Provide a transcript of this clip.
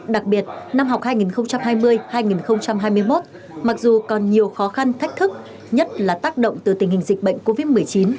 đặc biệt năm học hai nghìn hai mươi hai nghìn hai mươi một mặc dù còn nhiều khó khăn thách thức nhất là tác động từ tình hình dịch bệnh covid một mươi chín